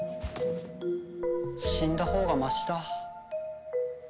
死んだほうがマシだ。